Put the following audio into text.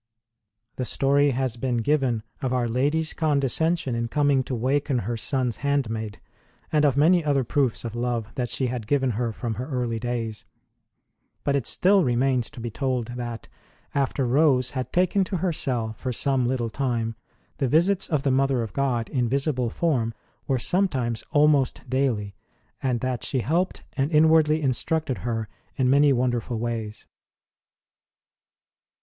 The story has been given of our Lady s con descension in coming to waken her Son s hand maid, and of many other proofs of love that she had given her from her early days, but it still remains to be told that, after Rose had taken to DIVINE VISITANTS TO HER CELL 151 her cell for some little time, the visits of the Mother of God in visible form were sometimes almost daily, and that she helped and inwardly instructed her in many wonderful ways.